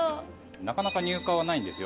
なかなか入荷はないんですよ。